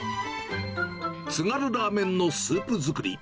津軽ラーメンのスープ作り。